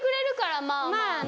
まあね。